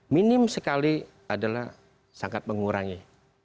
minim sekali adalah sangat mengurangi